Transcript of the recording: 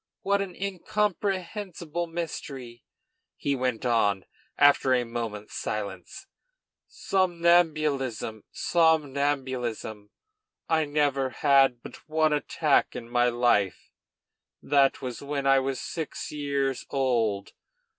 What an incomprehensible mystery!" he went on, after a moment's silence. "Somnambulism! somnambulism? I never had but one attack in my life, and that was when I was six years old.